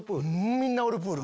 みんなおるプール！